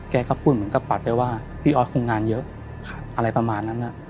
แกก็พูดเหมือนกับปัดไปว่าพี่ออสคงงานเยอะอะไรประมาณนั้น